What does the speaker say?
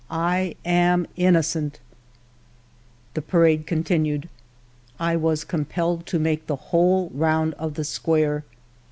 " I am innocent !'* The parade continued. I was compelled to make the whole round of the square.